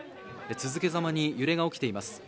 続けざまに揺れが起きています。